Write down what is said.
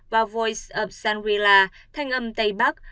và voice of sunrilla thanh âm tây bắc